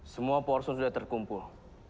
semua porsi sudah terkumpul